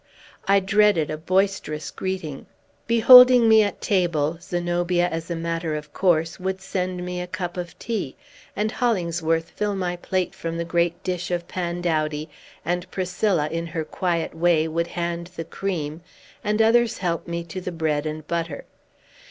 I dreaded a boisterous greeting. Beholding me at table, Zenobia, as a matter of course, would send me a cup of tea, and Hollingsworth fill my plate from the great dish of pandowdy, and Priscilla, in her quiet way, would hand the cream, and others help me to the bread and butter.